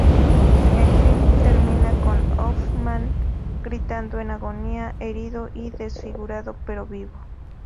El film termina con Hoffman gritando en agonía, herido y desfigurado pero vivo.